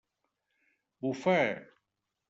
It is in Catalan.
Bufa!